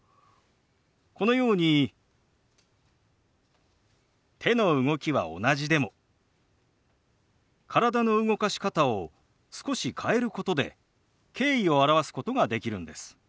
このように手の動きは同じでも体の動かし方を少し変えることで敬意を表すことができるんです。